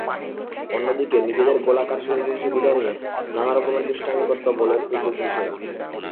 অন্যদিকে, নিজেদের গোলাকার শরীরের সুবিধা নিয়ে নানা রকম দুষ্টামি করত বলের পূর্বপুরুষেরা।